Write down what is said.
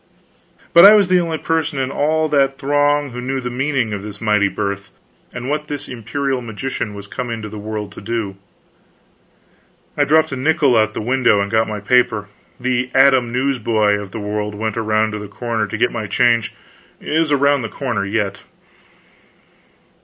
But I was the only person in all that throng who knew the meaning of this mighty birth, and what this imperial magician was come into the world to do. I dropped a nickel out of the window and got my paper; the Adam newsboy of the world went around the corner to get my change; is around the corner yet.